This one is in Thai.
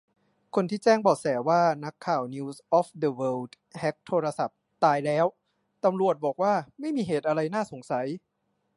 คนที่แจ้งเบาะแสว่านักข่าวนิวส์ออฟเดอะเวิลด์แฮ็กโทรศัพท์ ตายแล้ว ตำรวจบอกว่าไม่มีเหตุอะไรน่าสงสัย